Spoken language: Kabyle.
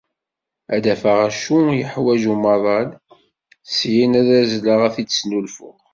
Ad d-afeɣ acu yeḥwaǧ umaḍal. S yin ad azzleɣ ad t-id-snulfuɣ.